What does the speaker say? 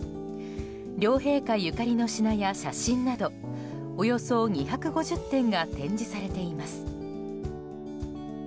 両陛下ゆかりの品や写真などおよそ２５０点が展示されています。